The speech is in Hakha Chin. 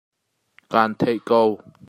Ka'n theih ko.